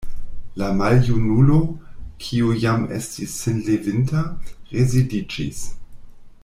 La maljunulo, kiu jam estis sin levinta, residiĝis.